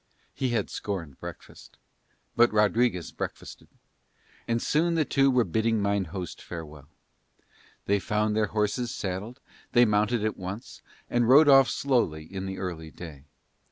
He had scorned breakfast; but Rodriguez breakfasted. And soon the two were bidding mine host farewell. They found their horses saddled, they mounted at once, and rode off slowly in the early day.